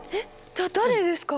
だ誰ですか？